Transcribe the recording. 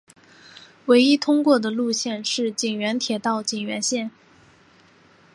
唯一通过的路线是井原铁道井原线。